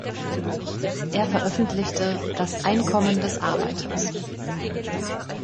Er veröffentlichte „Das Einkommen des Arbeiters“.